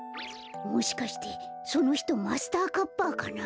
もしかしてそのひとマスターカッパーかな？